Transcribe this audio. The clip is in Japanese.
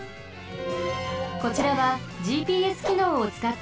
こちらはＧＰＳきのうをつかったゲームです。